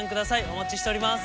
お待ちしております。